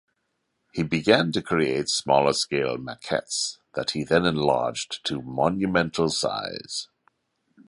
He began to create smaller scale maquettes that he then enlarged to monumental size.